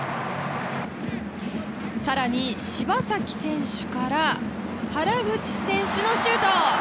更に、柴崎選手から原口選手のシュート。